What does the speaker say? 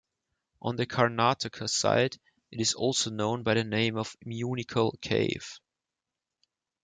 On the Karnataka side it is also known by the name of Munikal cave.